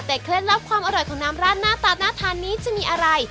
แต่เคล็ดลับความอร่อยของน้ำราดหน้าตาน่าทานนี้จะมีอะไร